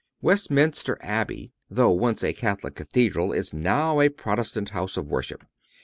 Westminster Abbey, though once a Catholic Cathedral, is now a Protestant house of worship.